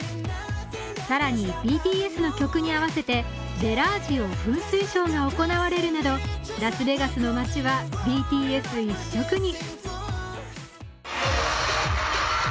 更に、ＢＴＳの曲に合わせてベラージオ噴水ショーが行われるなど、ラスベガスの街はＢＴＳ一色に。